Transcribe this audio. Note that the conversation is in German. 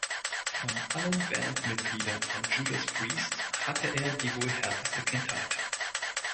Von allen Bandmitgliedern von Judas Priest hatte er die wohl härteste Kindheit.